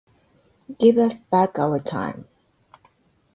Give us back our time.